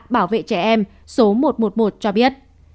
bảo vệ trẻ em số một trăm một mươi một cho biết